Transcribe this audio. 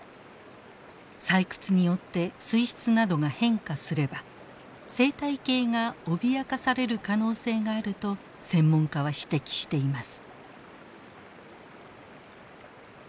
採掘によって水質などが変化すれば生態系が脅かされる可能性があると専門家は指摘しています。